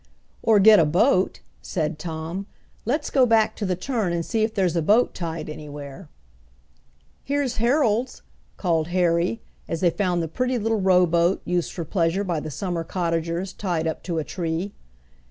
"Or get a boat," said Tom. "Let's go back to the turn and see if there's a boat tied anywhere." "Here's Herolds'," called Harry, as they found the pretty little rowboat, used for pleasure by the summer cottagers, tied up to a tree.